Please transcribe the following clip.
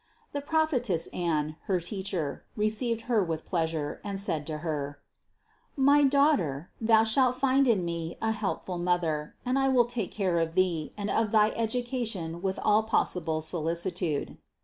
The prophetess Anne, her teacher, received 334 CITY OF GOD Her with pleasure, and said to Her: "My Daughter, Thou shalt find in me a helpful mother and I will take care of Thee and of thy education with all possible solic itude."